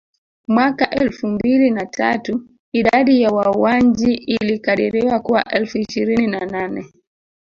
Mwaka elfu mbili na tatu idadi ya Wawanji ilikadiriwa kuwa elfu ishirini na nane